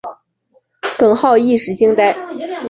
耿浩一时惊呆。